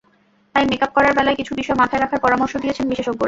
তাই মেকআপ করার বেলায় কিছু বিষয় মাথায় রাখার পরামর্শ দিয়েছেন বিশেষজ্ঞরা।